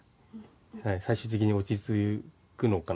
はい、最終的に落ち着くのかな。